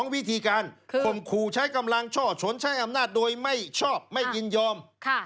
วิธีการข่มขู่ใช้กำลังช่อฉนใช้อำนาจโดยไม่ชอบไม่ยินยอม